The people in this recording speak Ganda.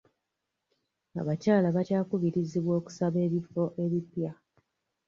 Abakyala bakyakubirizibwa okusaba ebifo ebipya.